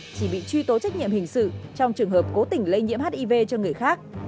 chỉ bị truy tố trách nhiệm hình sự trong trường hợp cố tình lây nhiễm hiv cho người khác